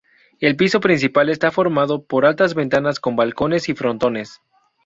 El piso principal está formado por altas ventanas con balcones y frontones.